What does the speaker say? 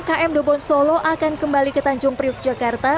km dobon solo akan kembali ke tanjung priuk jakarta